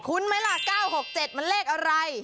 ไหมล่ะ๙๖๗มันเลขอะไร